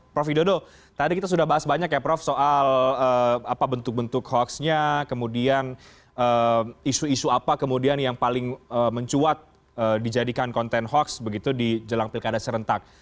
prof widodo tadi kita sudah bahas banyak ya prof soal bentuk bentuk hoaxnya kemudian isu isu apa kemudian yang paling mencuat dijadikan konten hoax begitu di jelang pilkada serentak